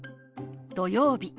「土曜日」。